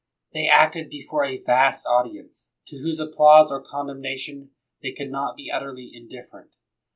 They acted before a vast au 88 MACKINTOSH dienee, to whose applause or condemnation they could not be utterly indifferent.